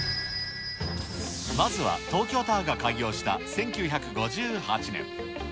まずは東京タワーが開業した１９５８年。